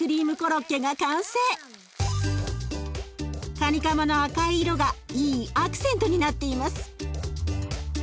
カニカマの赤い色がいいアクセントになっています。